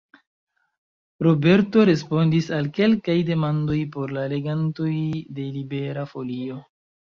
Roberto respondis al kelkaj demandoj por la legantoj de Libera Folio.